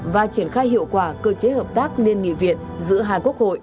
và triển khai hiệu quả cơ chế hợp tác liên nghị viện giữa hai quốc hội